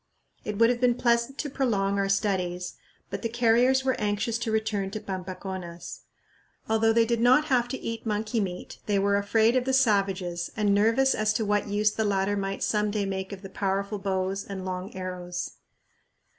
It would have been pleasant to prolong our studies, but the carriers were anxious to return to Pampaconas. Although they did not have to eat monkey meat, they were afraid of the savages and nervous as to what use the latter might some day make of the powerful bows and long arrows.